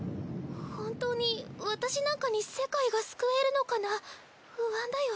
本当に私なんかに世界が救えるのかな不安だよ。